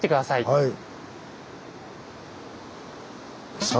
はい。